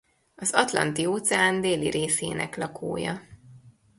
Az Atlanti-óceán déli részének lakója.